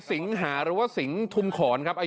สิงหาทุมขอนครับ